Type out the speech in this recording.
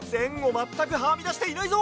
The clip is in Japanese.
まったくはみだしていないぞ！